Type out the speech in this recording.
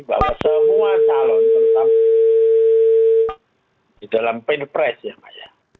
bahwa semua calon tentang di dalam pin pres ya mbak ya